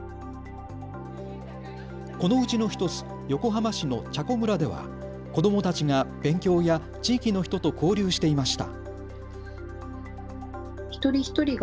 このうちの１つ、横浜市のチャコ村では子どもたちが勉強や地域の人と交流していました。